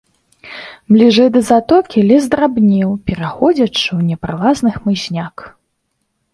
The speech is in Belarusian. Бліжэй да затокі лес драбнеў, пераходзячы ў непралазны хмызняк.